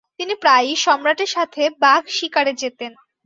তিনি প্রায়ই সম্রাটের সাথে বাঘ শিকারে জেতেন।